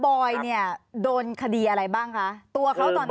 บอยเนี่ยโดนคดีอะไรบ้างคะตัวเขาตอน